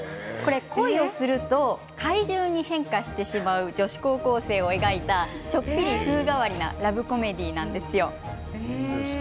恋をすると怪獣に変化してしまう高校生を描いたちょっぴり風変わりなラブコメディーなんです。